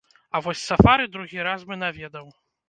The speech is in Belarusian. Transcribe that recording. А вось сафары другі раз бы наведаў.